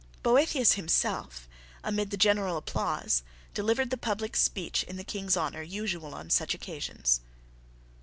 Boethius himself, amid the general applause, delivered the public speech in the King's honour usual on such occasions.